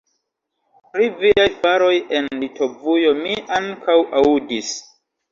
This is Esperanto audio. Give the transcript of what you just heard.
Pri viaj faroj en Litovujo mi ankaŭ aŭdis!